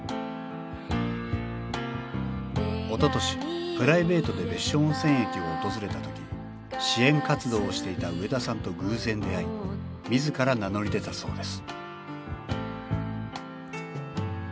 おととしプライベートで別所温泉駅を訪れた時支援活動をしていた植田さんと偶然出会い自ら名乗り出たそうです